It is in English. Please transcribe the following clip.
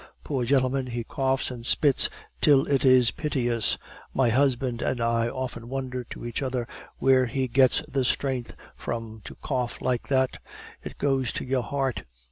Poor gentleman, he coughs and spits till it is piteous. My husband and I often wonder to each other where he gets the strength from to cough like that. It goes to your heart.